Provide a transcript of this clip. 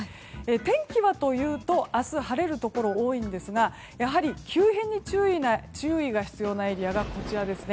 天気はというと明日晴れるところが多いんですがやはり、急変に注意が必要なエリアがこちら。